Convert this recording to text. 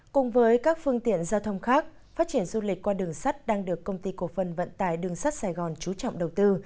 cùng với các phương tiện giao thông khác phát triển du lịch qua đường sắt đang được công ty cổ phần vận tải đường sắt sài gòn trú trọng đầu tư